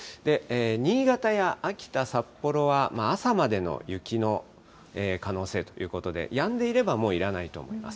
新潟や秋田、札幌は、朝までの雪の可能性ということで、やんでいれば、もういらないと思います。